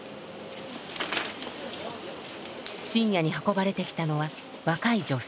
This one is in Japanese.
深夜に運ばれてきたのは若い女性。